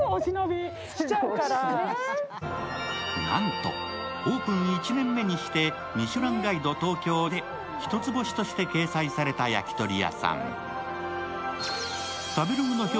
なんとオープン１年目にして「ミシュランガイド東京」で一つ星として掲載された焼き鳥屋さん。